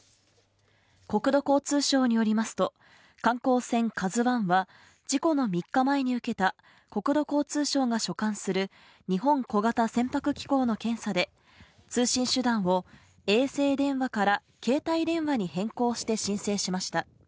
国土交通省によりますと観光船「ＫＡＺＵⅠ」は、事故の３日前に受けた国土交通省が所管する日本小型船舶機構の検査で通信手段を衛星電話から携帯電話に変更して申請しました。